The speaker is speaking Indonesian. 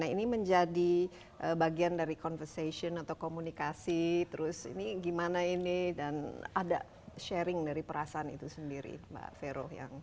nah ini menjadi bagian dari conversation atau komunikasi terus ini gimana ini dan ada sharing dari perasaan itu sendiri mbak vero